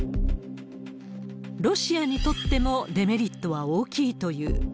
ロシアにとってもデメリットは大きいという。